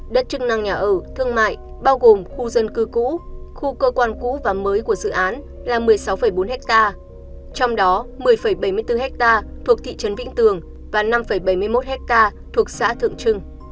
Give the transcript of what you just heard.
đất chức năng nhà ở thương mại bao gồm khu dân cư cũ khu cơ quan cũ và mới của dự án là một mươi sáu bốn ha trong đó một mươi bảy mươi bốn ha thuộc thị trấn vĩnh tường và năm bảy mươi một hectare thuộc xã thượng trưng